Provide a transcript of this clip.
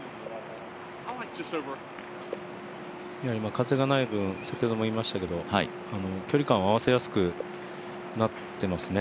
風がない分、先ほどもいいましたけど距離感を合わせやすくなっていますね。